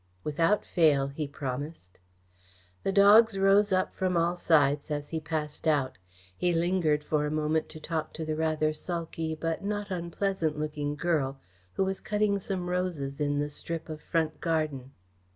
"Without fail," he promised. The dogs rose up from all sides as he passed out. He lingered for a moment to talk to the rather sulky but not unpleasant looking girl, who was cutting some roses in the strip of front garden.